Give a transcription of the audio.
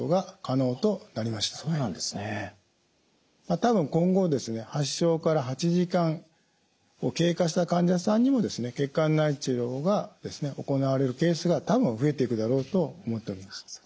多分今後ですね発症から８時間を経過した患者さんにも血管内治療が行われるケースが多分増えていくだろうと思っております。